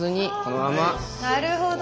なるほど！